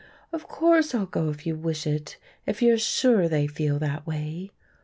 "Of course I'll go if you wish it, if you're sure they feel that way."